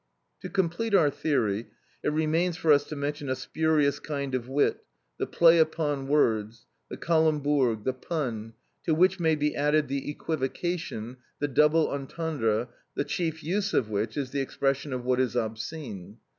To complete our theory it remains for us to mention a spurious kind of wit, the play upon words, the calembourg, the pun, to which may be added the equivocation, the double entendre, the chief use of which is the expression of what is obscene.